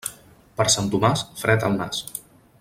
Per Sant Tomàs, fred al nas.